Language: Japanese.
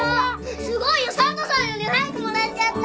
すごいよサンタさんより早くもらっちゃった。